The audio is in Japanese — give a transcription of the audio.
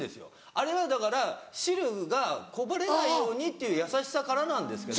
あれはだから汁がこぼれないようにっていう優しさからなんですけど。